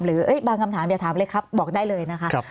หรือบางคำถามอย่าถามเลยครับบอกได้เลยนะคะ